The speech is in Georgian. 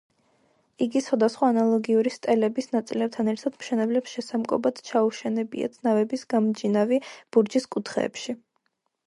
იგი სხვადასხვა ანალოგიური სტელების ნაწილებთან ერთად მშენებლებს შესამკობად ჩაუშენებიათ ნავების გამმიჯნავი ბურჯის კუთხეებში.